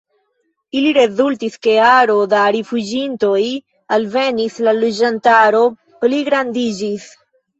Ili rezultis, ke aro da rifuĝintoj alvenis, la loĝantaro pligrandiĝis.